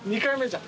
２回目。